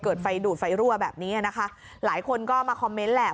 ไฟดูดไฟรั่วแบบนี้นะคะหลายคนก็มาคอมเมนต์แหละ